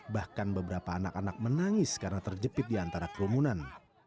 bahkan beberapa anak anak menangis karena terjepit di antara kerumunan